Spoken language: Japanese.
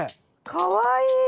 かわいい！